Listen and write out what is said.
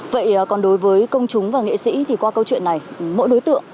vậy còn đối với công chúng và nghệ sĩ thì qua câu chuyện này mỗi đối tượng